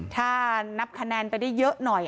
ถ้านับคะแนนไปได้เยอะหน่อย